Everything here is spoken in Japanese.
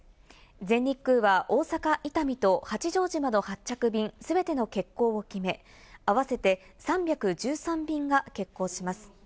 全日空は大阪・伊丹と八丈島の発着便全ての欠航を決め、あわせて３１３便が欠航します。